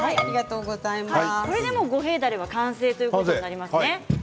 これで五平だれは完成ということです。